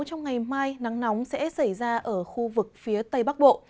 trong ngày mai nắng nóng sẽ xảy ra ở khu vực phía tây bắc bộ